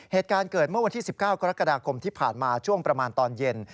เหตุการณ์เกิดเมื่อวันที่๑๙กรกฎาคมที่ผ่านมาช่วงประมาณตอนเย็น